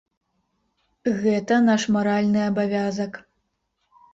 Гэта наш маральны абавязак.